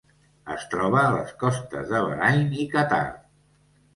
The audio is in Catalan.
Es troba a les costes de Bahrain i Qatar.